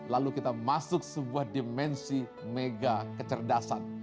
lalu kita masuk sebuah dimensi mega kecerdasan